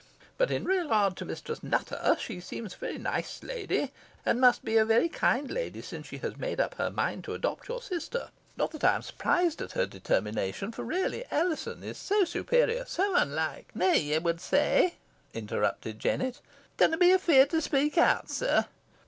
But in regard to Mistress Nutter, she seems a very nice lady and must be a very kind lady, since she has made up her mind to adopt your sister. Not that I am surprised at her determination, for really Alizon is so superior so unlike " "Me, ye wad say," interrupted Jennet. "Dunna be efeerd to speak out, sir."